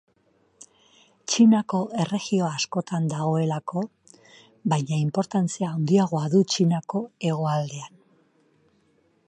Txinako erregio askotan dagoelako, baina inportantzia handiagoa du Txinako hegoaldean.